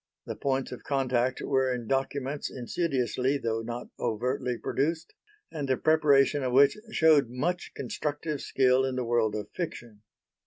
The points of contact were in documents insidiously though not overtly produced and the preparation of which showed much constructive skill in the world of fiction.